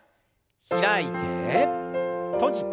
開いて閉じて。